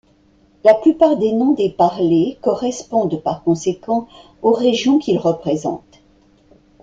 La plupart des noms des parlers correspondent par conséquent aux régions qu’ils représentent.